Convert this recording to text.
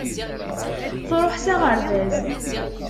Truḥ s aɣerbaz.